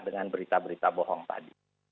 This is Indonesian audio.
dengan berita berita bohong tadi